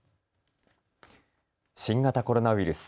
新型コロナウイルス。